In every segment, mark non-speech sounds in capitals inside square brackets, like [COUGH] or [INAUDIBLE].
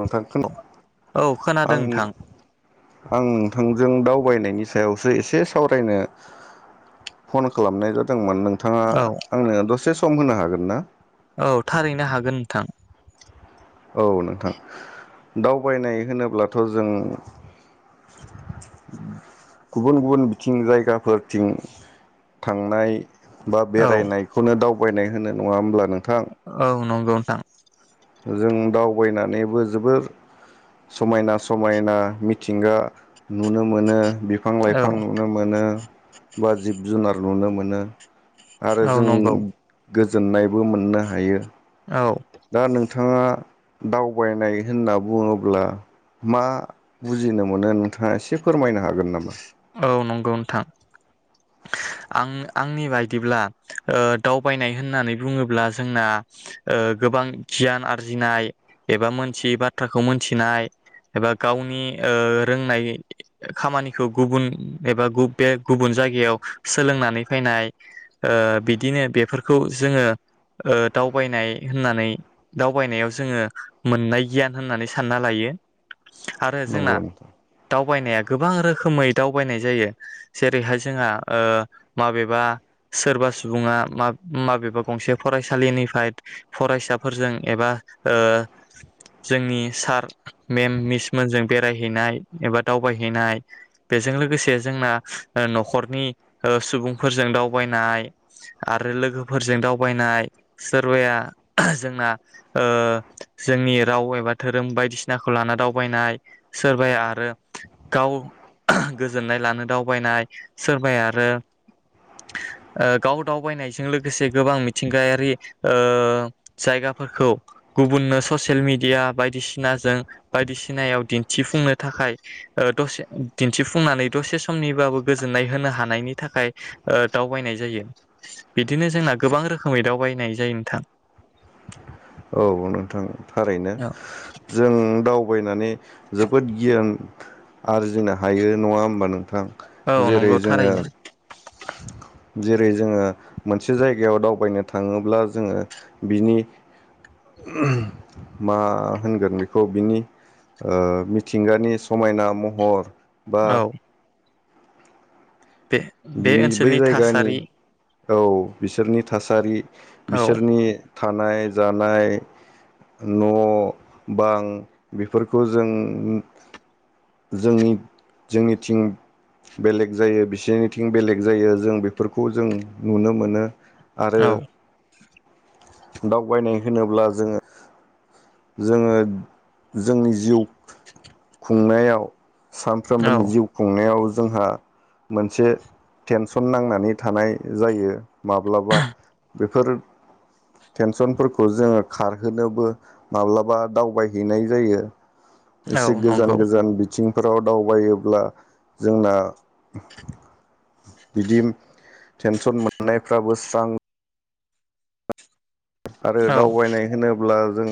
नोंथांखौ औ खोनादों आं नोंथां आं नोंथांजों दाउ फरायनायनि सायावसो एसे सावरायनो फन खालामनाय जादोंमोन नों नोंथाङा औ आंनो दसे सम होनो हागोन ना औ थारैनो हागोन नोंथां औ नोंथां दावबायनाय होनोब्लाथ जों गुबुन गुबुन बिथिं जायगाफोरथिं थांनाय बा औ बेरायनायखौनो दाव बायनाय होनो नङा होमब्ला नों औ नं गौ नोंथां जों दावबायनानैबो जोबोर समायना समायना मिथिंगा नुनो मोनो बिफां औ लाइफां नुनो मोनो बा जिब जुनार नुनो मोनो आरो औ जों नंगौ गोजोननायबो मोननो हायो। औ। दा नोंथाङा दावबायनाय होनना बुङोब्ला मा बुजिनो मोनो नोंथाङा एसे फोरमायनो हागोन नामा। औ नंगौ नोंथां आं आंनि बायदिब्ला ओ दावबायनाय होननानै बुङोब्ला जोंना ओ गोबां गियान आरजिनाय एबा मोनथियै बाथ्राखौ मोनथिनाय एबा गावनि ओ रोंनाय खामानिखौ गुबुन एबा गुबे गुबुन जायगायाव सोलोंनानै फैनाय ओ बिदिनो बेफोरखौ जोङो ओ दावबायनाय होननानै दावबायनायाव जोङो मोननाय गियान होननानै सानना लायो। आरो जोंना नंगौ नोंथां। दावबायनाया गोबां रोखो रोखोमै दावबायनाय जायो जेरैहाय जोंहा माबेबा सोरबा सुबुङा माबेबा गंसे फरायसालिनिफ्राय फरायसाफोरजों एबा ओ जोंनि सार मेम मिसमोनजों बेरायहैनाय एबा दावबायहैनाय बेजों लोगोसे जोंना न'खरनि सुबुंफोरजों दावबायनाय आरो लोगोफोरजों दावबायनाय सोरबाया जोंना जोंनि राव एबा धोरोम बायदिसिनाखौ लाना दावबायनाय सोरबाया आरो गाव गोजोननाय लानो दावबायनाय सोरबाया आरो गाव दावबायनायजों लोगोसे गोबां मिथिंगायारि ओ जायगाफोरखौ गुबुननो ससियेल मेडिया बायदिसिनाजों बायदिसिनायाव दिन्थिफुंनो थाखाय दसे दिन्थिफुंनानै दसे समनिबाबो गोजोननाय होनो हानायनि थाखाय दावबायनाय जायो बिदिनो जोंना गोबां रोखोमै दावबायनाय जायो नोंथां। औ नोंथां। थारैनो औ जों दाव बायनानै जोबोद गियान आरजिनो हायो नङा होमबा नोंथां। औ जेरै नंगौ जोङो थारैनो जेरै जोङो मोनसे जायगायाव दावबायनो थाङोब्ला जोङो बिनि मा होनगोन बेखौ बिनि ओ मिथिंगानि समायना महर बा औ बे बे बिनि बै ओनसोलनि जायगानि थासारि औ बिसोरनि थासारि औ बिसोरनि थानाय जानाय न' बां बेफोरखौ जों जोंनि जोंनिथिं बेलेग जायो बिसोरनिथिं बेलेग जायो जों बेफोरखौ जों नुनो मोनो। आरो। औ दावबायनाय होनोब्ला जोङो जोङो जोंनि जिउ खुंनायाव औ सानफ्रोमबोनि जिउ खुंनायाव जोंहा मोनसे टेनसन नांनानै थानाय जायो माब्लाबा बेफोर टेनसनफोरखौ जोङो खारहोनोबो माब्लाबा दावबायहैनाय जायो। औ एसे गोजान नंगौ गोजान बिथिं फोराव दावबायोब्ला जोंना बिदि टेनसन मोननायफ्राबो स्रां आरो औ दावबायनाय होनोब्ला जों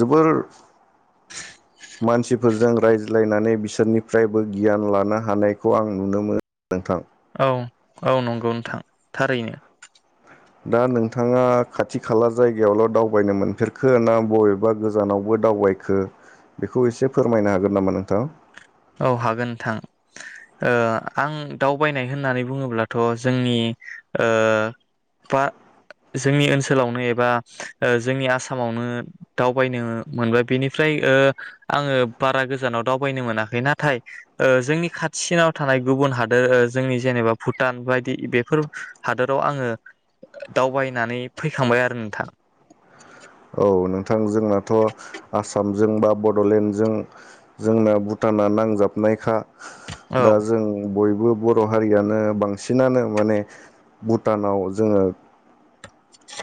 ज [UNINTELLIGIBLE] मानसिफोरजों रायज्लायनानै बिसोरनिफ्रायबो गियान लानो हानायखौ आं नुनो मोनो नोंथां औ औ नंगौ नोंथां थारैनो। दा नोंथाङा खाथि खाला जायगायावल' दावबायनो मोनफेरखो ना बबेबा गोजानावबो दावबायखो बेखौ एसे फोरमायनो हागोन नामा नोंथां। औ हागोन नोंथां ओ आं दावबायनाय होननानै बुङोब्लाथ' जोंनि ओ बा जोंनि ओनसोलावनो एबा जोंनि आसामावनो दावबायनो मोनबाय बेनिफ्राय आङो बारा गोजानाव दावबायनो मोनाखै नाथाय जोंनि खाथिनाव थानाय गुबुन हादोर जोंनि जेनेबा भुटान बायदि बेफोर हादोराव आङो दावबायनानै फैखांबाय आरो नोंथां। औ नोंथां जोंनाथ' आसामजों बा बड'लेण्डजों जोंना भुटाना नांजाबनायखा औ दा जों बयबो। बर' हारियानो बांसिनानो माने भुटानाव जोङो [INAUDIBLE]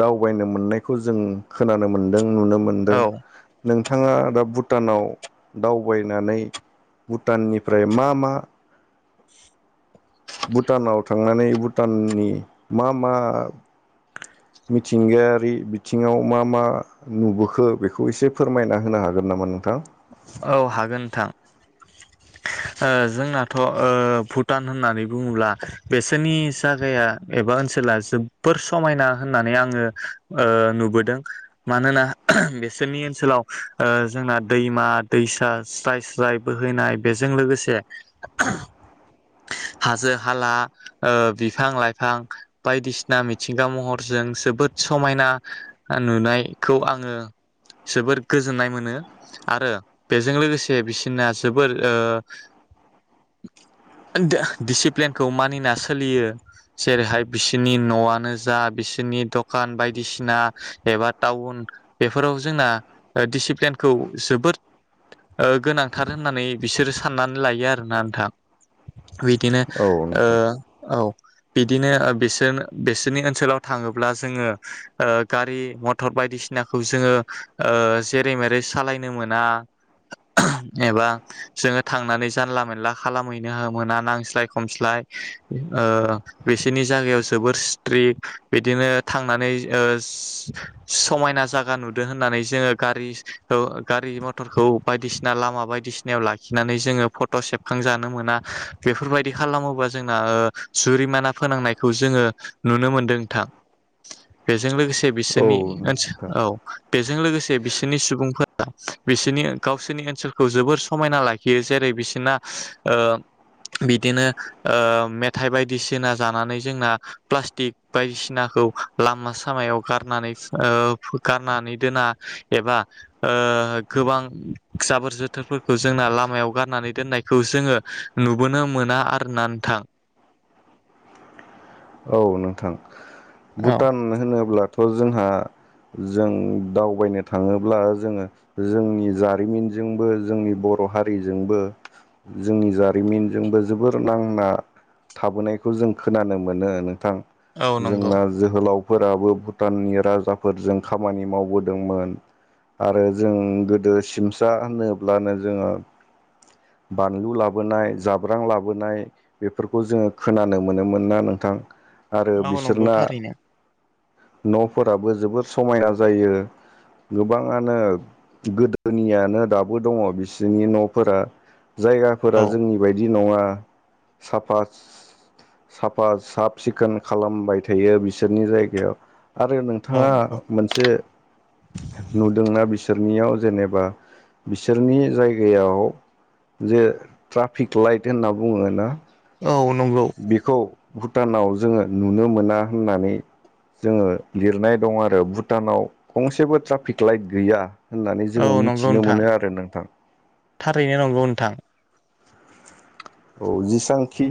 दावबायनो मोननायखौ जों खोनानो मोनदो दों नुनो मोनदों औ नों थाङा दा भुटानाव दावबायनानै भुटाननिफ्राय मा-मा। भुटानाव थांनानै भुटाननि मा-मा मिथिंगायारि बिथिङाव मा-मा नुबोखो बेखौ एसे फोरमायना होनो हागोन नामा नोंथां? औ हागोन नोंथां ओ जोंनाथ' ओ भुटान होननानै बुङोब्ला बेसोरनि जागाया एबा ओनसोला जोबबोर समायना होननानै आङो ओ नुबोदों मानोना बेसोरनि ओनसोलाव ओ जोंना दैमा दैसा स्राय-स्राय बोहैनाय बेजों लोगोसे हाजो हाला ओ बिफां-लाइफां बायदिसिना मिथिंगा महरजों जोबोद समायना नुनायखौ आङो जोबोद गोजोननाय मोनो आरो। बेजों लोगोसे बिसिनाना जोबोर ओ [UNINTELLIGIBLE] दिसिप्लेनखौ मानिना सोलियो जेरैहाय बिसोनि न'आनो जा बिसोनि दखान बायदिसिना एबा टाउन बेफोराव जोंना दिसिप्लेनखौ जोबोद ओ गोनांथार होननानै बिसोरो साननानै लायो आरोना नोंथां। बिदिनो औ ओ औ। बिदिनो ओ बिसोन बिसोरनि ओनसोलाव थाङोब्ला जोङो ओ गारि मटर बायदिसिनाखौ जोङो ओ जेरै मेरै सालायनो मोना। एबा जोङो थांनानै जानला मेनला खालामहैनो मोना नांस्लाय खमस्लाय ओ बिसोरनि जायगायाव जोबोर स्ट्रिक बिदिनो थांनानै ओ समायना जागा नुदों होननानै जोङो गारि ओ गारि मथ टरखौ बायदिसिना लामा बायदिसिनायाव लाखिनानै जोङो फट' सेबखांजानो मोना बेफोरबायदि खालामोबा जोंना ओ जुरिमाना फोनांनायखौ जोङो नुनो मोन्दों नोंथां बेजों लोगोसे औ बिसोनि ओनसो नोंथां औ बेजों लोगोसे बिसोनि सुबुंफोरा बिसोनि गावसोरनि ओनसोलखौ जोबोर समायना लाखियो जेरै- बिसोना ओ बिदिनो ओ मेथाइ बायदिसिना जानानै जोंना प्लास्टिक बायदिसनाखौ लामा सामायाव गारनानै ओ गारनानै दोना एबा ओ गोबां जाबोर जोथोरफोरखौ जोंना लामायाव गारनानै दोननायखौ जोङो नुबोनो मोना आरो ना नोंथां। औ नोंथां। औ भुटान होनोब्ला थ' जोंहा जों दावबायनो थाङोब्ला जोङो जोंनि जारिमिनजोंबो जोंनि बर' हारिजोंबो जोंनि जारिमिनजोंबो जोबोर नांना थाबोनायखौ जों खोनानो मोनो। नोंथां। औ नंगौ जोंना जोहोलाव फोराबो भुटाननि राजाफोरजों खामानि मावबोदोंमोन आरो जों गोदो सिमसा होनोब्लानो जोङो बानलु लाबोनाय जाब्रां लाबोनाय बेफोरखौ जोङो खोनानो मोनोमोन ना नोंथां? आरो औ नंगौ बिसोरना थारैनो न'फोराबो जबोर समायना जायो गोबाङानो गोदोनियानो दाबो दङ' बिसिनि न'फोरा। जायगाफोरा औ जोंनि बायदि नङा साफास साफा साफ सिखोन खालामबाय थायो बिसोरनि जायगायाव। आरो औ नोंथाङा नंगौ मोनसे नुदोंना बिसो सोरनियाव जेनेबा बिसोरनि जायगायाव जे ट्राफिक लाइट होनना बुङो ना औ नंगौ। बेखौ भुटानाव जोङो नुनो मोना होननानै जोङो लिरनाय दं आरो भुटानाव गंसेबो ट्राफिक लाइट गैया होननानै जोङो औ नंगौ मिथिनो नोंथां मोनो आरो नोंथां थारैनो नंगौ नोंथां। औ जेसांखि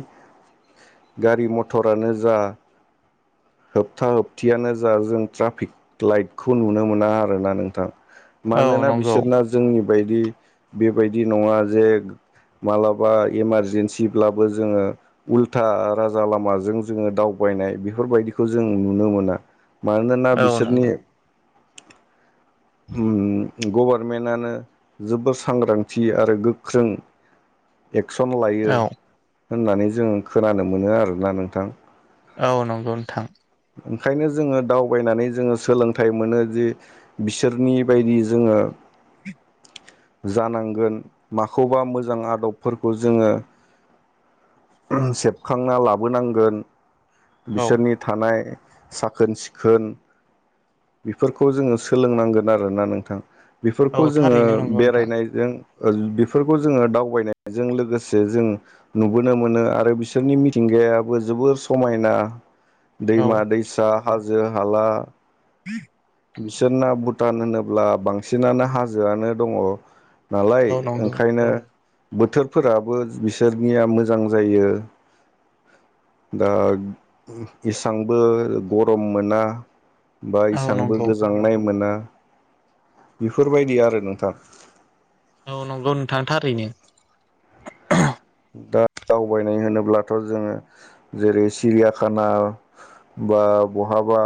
गारि मथरानो जा होबथा होबथियानो जा जों ट्राफिक लाइटखौ नुनो मोना आरोना नोंथां। औ मानोना नंगौ बिसोरना जोंनि बायदि बेबायदि नङा जे मालाबा इमारजेन्सिब्लाबो जोङो उल्था राजा लामाजों जोङो दावबायनाय बेफोरबायदि खौ जों नुनो मोना। मानोना औ बिसोरनि नंगौ गभारनमेनानो जोबोर सांग्रांथि आरो गोख्रों। एक्सन लायो। औ होननानै जों खोनानो मोनो आरोना नोंथां। औ नंगौ नोंथां। ओंखायनो जोङो दावबायनानै जोङो सोलोंथाइ मोनो जे बिसोरनि बायदि जोङो जानांगोन माखौबा मोजां आदबफोरखौ जोङो सेबखांना लाबोनांगोन। औ बिसोरनि थानाय साखोन-सिखोन बेफोरखौ जोङो सोलोंनांगोन आरोना नोंथां। औ बेफोरखौ जोङो थारैनो नंगौ नोंथां बेरायनायजों बेफोरखौ जोङो दावबायनायजों लोगोसे जों नुबोनो मोनो आरो बिसोरनि मिथिंगायाबो जोबोर समायना। औ दैमा-दैसा। हाजो-हाला। [INAUDIBLE] बिसोरना भुटान होनोब्ला बांसिनानो हाजोआनो दङ'। नालाय औ नंगौ ओंखायनो। बोथोरफोराबो बिसोरनिया मोजां जायो दा इसांबो गरम मोना। औ बे नंगौ गोजांनाय मोना। बेफोरबायदि आरो नोंथां। औ नंगौ नोंथां थारैनो। दा दावबायनाय होनोब्लाथ' जोङो जेरै सिरियाखाना बा बहाबा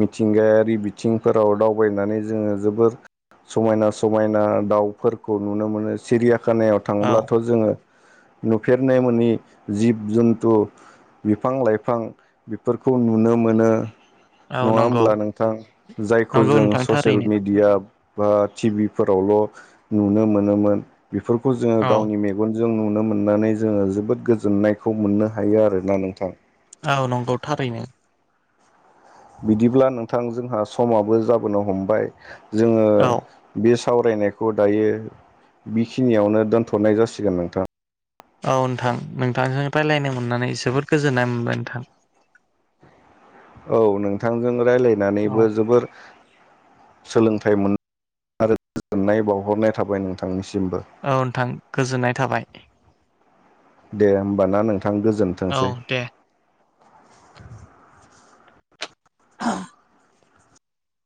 मिथिंगायारि बिथिंफोराव दावबायनानै जोङो जोबोर समायना-समायना दाउफोरखौ नुनो मोनो सिरियाखानाया औ थांब्लाथ' जोङो नुफेरनाय मोनि जिब-जुन्थु बिफां-लाइफां बेफोरखौ नुनो मोनो। औ नङा नंगौ होमब्ला नोंथां जायखौ नंगौ जों नोंथां ससियेल थारैनो मिडिया बा टि भिफोरावल' नुनो मोनोमोन बेफोर। खौ जोङो औ गावनि मेगन जों नुनो मोननानै जोङो जोबोद गोजोननायखौ मोननो हायो आरोना नोंथां। औ नंगौ थारैनो बिदिब्ला नोंथां जोंहा समाबो जाबोनो हमबाय। जोङो औ बेस सावरायनायखौ दायो बिखिनियावनो दोनथ'नाय जासिगोन नोंथां। औ नोंथां नोंथांजों रायलायनो मोननानै जोबोद गोजोननाय मोनबाय नोंथां। औ नोंथांजों औ रायलायनानैबो जोबोर सोलोंथाइ मोन आरो गोजोननाय बावहरनाय थाबाय नोंथांनिसिम । बो औ नोंथां गोजोननाय थाबाय दे होमबाना नोंथां औ गोजोनथोंसै। दे [INAUDIBLE]